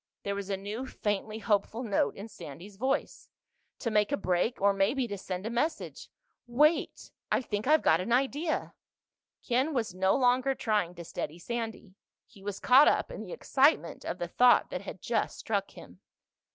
There was a new, faintly hopeful note in Sandy's voice. "To make a break—or maybe to send a message. Wait! I think I've got an idea!" Ken was no longer trying to steady Sandy. He was caught up in the excitement of the thought that had just struck him.